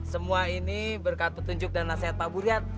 semua ini berkat petunjuk dan nasihat pak buriyat